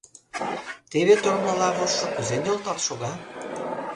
Теве тормыла вожшо кузе нӧлталт шога.